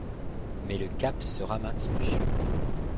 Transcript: Mais le cap sera maintenu.